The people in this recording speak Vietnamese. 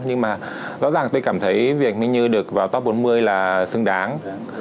nhưng mà rõ ràng tôi cảm thấy việc mình như được vào top bốn mươi là xứng đáng